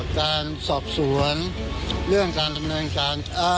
การสอบสวนเรื่องการดำเนินการ